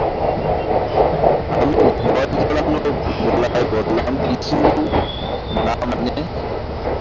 আমি ভয়-জড়ানো গলায় বললাম, কিছু না মানে?